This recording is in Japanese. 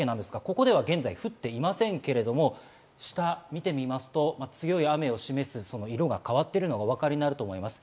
ここでは現在降っていませんけれども、下を見てみますと、強い雨を示す色が変わっているのがわかります。